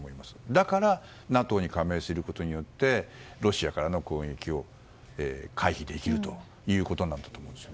だからＮＡＴＯに加盟することでロシアからの攻撃を回避できるということだと思います。